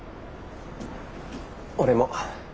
俺も。